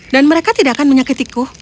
dan mereka tidak akan menyakitiku